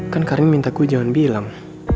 kan karin minta gue jangan bilang